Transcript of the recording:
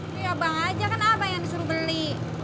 nih abang aja kan abang yang disuruh beli